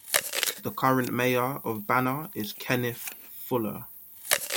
The current mayor of Banner is Kenneth Fuller.